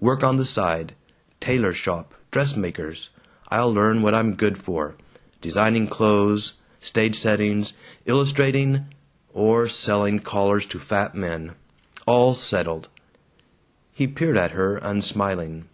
Work on the side tailor shop, dressmaker's. I'll learn what I'm good for: designing clothes, stage settings, illustrating, or selling collars to fat men. All settled." He peered at her, unsmiling.